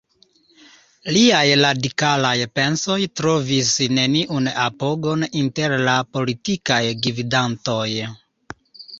Liaj radikalaj pensoj trovis neniun apogon inter la politikaj gvidantoj.